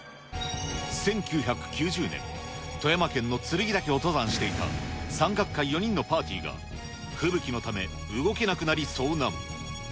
１９９０年、富山県の剱岳を登山していた山岳会４人のパーティーが吹雪のため動けなくなり遭難。